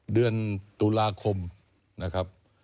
เดือนตุลาคมนะครับ